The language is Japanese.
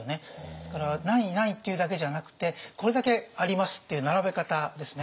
ですから何位何位っていうだけじゃなくてこれだけありますっていう並べ方ですね。